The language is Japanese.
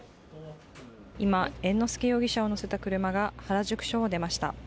今、猿之助容疑者を乗せた車が原宿署を出ました。